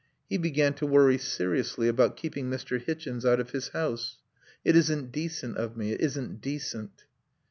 He began to worry seriously about keeping Mr. Hichens out of his house. "It isn't decent of me. It isn't decent."